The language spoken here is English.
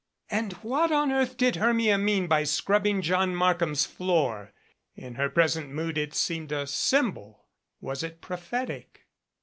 And what on earth did Hermia mean by scrubbing John Markham's floor? In her present mood it seemed a sym bol was it prophetic?